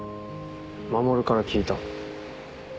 守から聞いた。